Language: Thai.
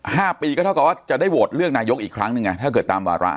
ห้าปีก็เท่ากับว่าจะได้โหวตเลือกนายกอีกครั้งหนึ่งอ่ะถ้าเกิดตามวาระ